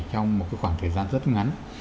trong một khoảng thời gian rất ngắn